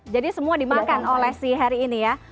jadi semua dimakan oleh si heri ini ya